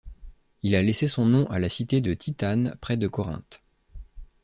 Il a laissé son nom à la cité de Titane, près de Corinthe.